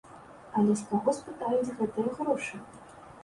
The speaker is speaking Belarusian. Але з каго спытаюць гэтыя грошы?